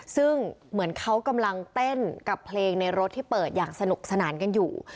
ซึ่งเหมือนเขากำลังเต้นกับเพลงในรถที่เปิดอย่างสนุกสนานกันอยู่